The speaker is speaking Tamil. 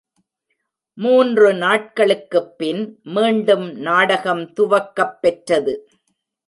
மூன்று நாட்களுக்குப் பின் மீண்டும் நாடகம் துவக்கப் பெற்றது.